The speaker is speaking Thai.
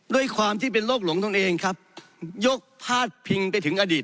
ด้วยความที่เป็นโรคหลงตนเองครับยกพาดพิงไปถึงอดีต